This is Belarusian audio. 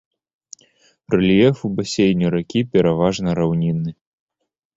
Рэльеф у басейне ракі пераважна раўнінны.